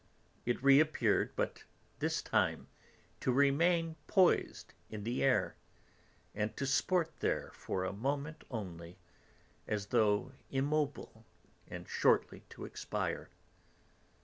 It reappeared, but this time to remain poised in the air, and to sport there for a moment only, as though immobile, and shortly to expire.